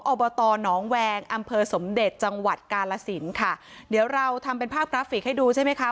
อบตหนองแวงอำเภอสมเด็จจังหวัดกาลสินค่ะเดี๋ยวเราทำเป็นภาพกราฟิกให้ดูใช่ไหมคะ